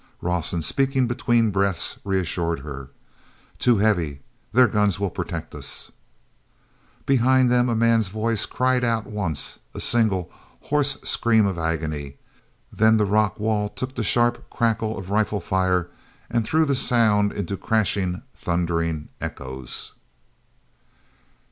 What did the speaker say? Rawson, speaking between breaths, reassured her: "Too heavy. Their guns will protect us—" Behind them, a man's voice cried out once, a single, hoarse scream of agony; then the rock wall took the sharp crackle of rifle fire and threw the sound into crashing, thundering echoes.